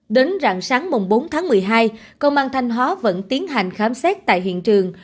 đến rạng sáng bốn tháng một mươi hai công an thanh hóa vẫn tiến hành khám xét tại hiện trường